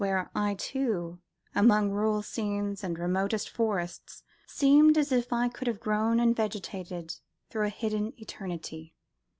where I too, among rural scenes and remote forests, seemed as if I could have grown and vegetated through a hidden eternity."